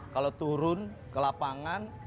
kalau turun ke lapangan